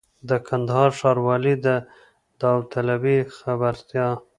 د کندهار ښاروالۍ د داوطلبۍ خبرتیا!